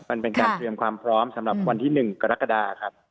มันเป็นการเตรียมความพร้อมสำหรับวันที่๑กรกฎาครับ